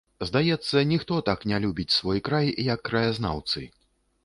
Здаецца, ніхто так не любіць свой край, як краязнаўцы.